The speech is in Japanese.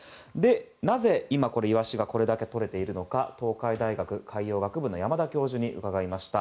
なぜ今、イワシがこれだけとれているのか東海大学海洋学部の山田教授に伺いました。